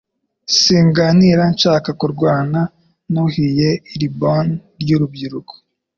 Singanira nshaka kurwana. Nuhiye iliboneye ry'urubungo,